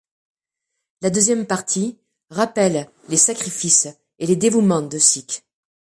La deuxième partie rappelle les sacrifices et les dévouements de sikhs.